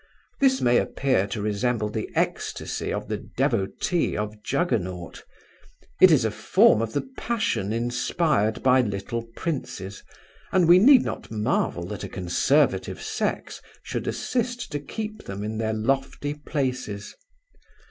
This may appear to resemble the ecstasy of the devotee of Juggernaut, It is a form of the passion inspired by little princes, and we need not marvel that a conservative sex should assist to keep them in their lofty places.